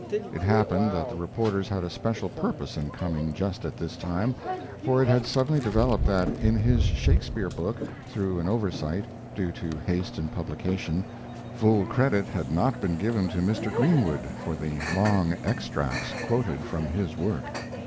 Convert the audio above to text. It happened that the reporters had a special purpose in coming just at this time, for it had suddenly developed that in his Shakespeare book, through an oversight, due to haste in publication, full credit had not been given to Mr. Greenwood for the long extracts quoted from his work.